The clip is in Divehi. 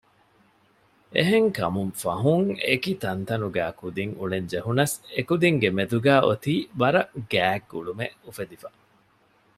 އެެހެންކަމުން ފަހުން އެކި ތަންތަނުގައި ކުދިން އުޅެން ޖެހުނަސް އެކުދިންގެ މެދުގައި އޮތީ ވަރަށް ގާތް ގުޅުމެއް އުފެދިފަ